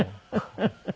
フフフフ。